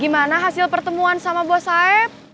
gimana hasil pertemuan sama bos saeb